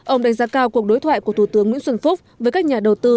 ông đánh giá cao cuộc đối thoại của thủ tướng nguyễn xuân phúc với các nhà đầu tư